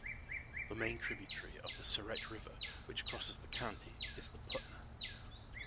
The main tributary of the Siret River, which crosses the county, is the Putna.